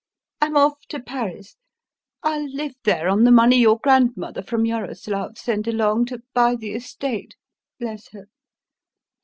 I'm off to Paris. I'll live there on the money your grandmother from Yaroslav sent along to buy the estate bless her!